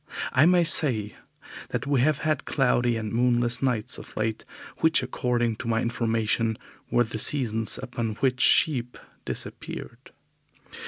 I may say that we have had cloudy and moonless nights of late, which according to my information were the seasons upon which sheep disappeared.